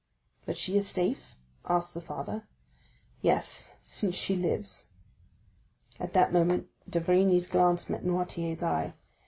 "But is she safe?" asked the father. "Yes, since she lives." At that moment d'Avrigny's glance met Noirtier's eye.